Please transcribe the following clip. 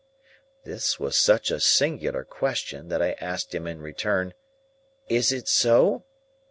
This was such a singular question, that I asked him in return, "Is it so?"